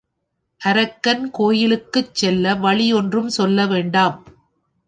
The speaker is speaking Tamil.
அரங்கன் கோயிலுக்குச் செல்ல வழி ஒன்றும் சொல்ல வேண்டாம்.